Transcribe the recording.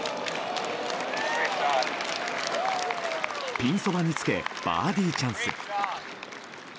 ピンそばにつけバーディーチャンス。